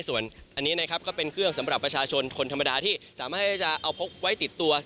ส่วนอันนี้นะครับก็เป็นเครื่องสำหรับประชาชนคนธรรมดาที่สามารถที่จะเอาพกไว้ติดตัว